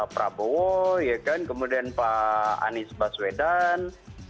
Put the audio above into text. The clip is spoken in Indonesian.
prabowo ya kan kemudian pak anies baswedan